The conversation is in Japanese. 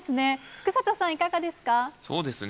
福里さん、いかがですか。